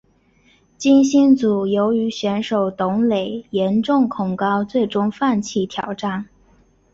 金星组由于选手董蕾严重恐高最终放弃挑战。